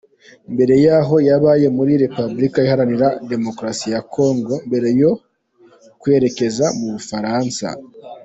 Mbere yaho yabaye muri republulika iharanira demokarasi ya Congo mbere yo kwerekeza mu Burafaransa.